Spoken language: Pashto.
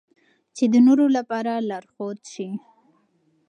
چې د نورو لپاره لارښود شي.